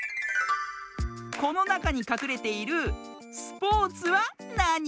このなかにかくれている「スポーツ」はなに？